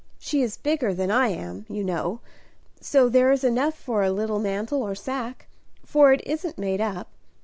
She is bigger than I am, you know; so there is enough for a little mantle or sacque, for it isn't made up.